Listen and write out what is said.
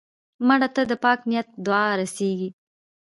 مړه ته د پاک نیت دعا رسېږي